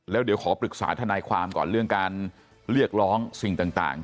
แล้วเดี๋ยวขอปรึกษาทนายความก่อนเรื่องการเรียกร้องสิ่งต่าง